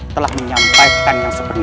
telah menyampaikan yang sebenarnya